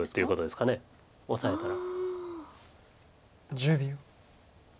１０秒。